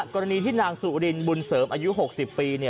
กรณีที่นางสุรินบุญเสริมอายุ๖๐ปี